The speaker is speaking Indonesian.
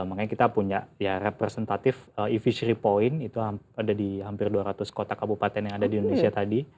makanya kita punya ya representative e fishery point itu ada di hampir dua ratus kota kabupaten yang ada di indonesia tadi